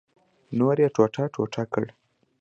نور یې ټوټه ټوټه کړ.